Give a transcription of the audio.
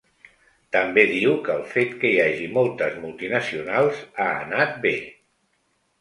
També diu que el fet que hi hagi moltes multinacionals ha anat bé.